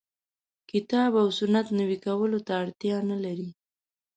کتاب او سنت نوي کولو ته اړتیا نه لري.